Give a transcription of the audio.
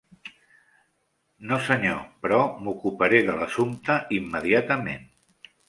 No, senyor, però m'ocuparé de l'assumpte immediatament.